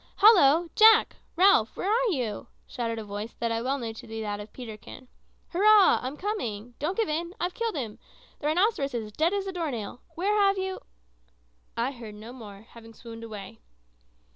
"Hollo! Jack! Ralph! where are you?" shouted a voice that I well knew to be that of Peterkin. "Hurrah I'm coming. Don't give in! I've killed him! The rhinoceros is dead as a door nail! Where have you " I heard no more, having swooned away.